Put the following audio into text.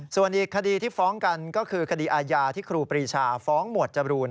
ส่วนอีกคดีที่ฟ้องกันก็คือคดีอาญาที่ครูปรีชาฟ้องหมวดจรูน